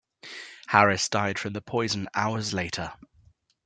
Harris died from the poison hours later.